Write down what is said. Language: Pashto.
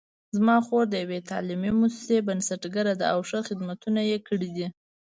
زما خور د یوې تعلیمي مؤسسې بنسټګره ده او ښه خدمتونه یې کړي دي